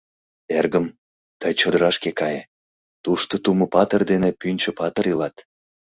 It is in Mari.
— Эргым, тый чодырашке кае, тушто Тумо-патыр дене Пӱнчӧ-патыр илат.